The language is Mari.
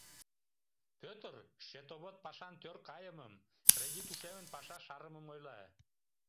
Пӧтыр счетовод пашан тӧр кайымым, кредит ушемын паша шарымым ойла.